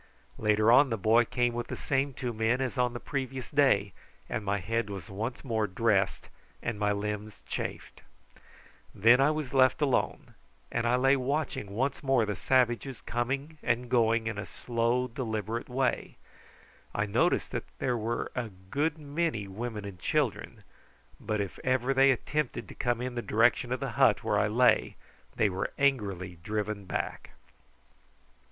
Later on the boy came with the same two men as on the previous day, and my head was once more dressed and my limbs chafed. Then I was left alone, and I lay watching once more the savages coming and going in a slow deliberate way. I noticed that there were a good many women and children, but if ever they attempted to come in the direction of the hut where I lay they were angrily driven back.